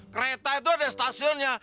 kereta itu ada stasiunnya